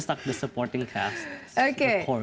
saya hanya seperti kast yang mendukung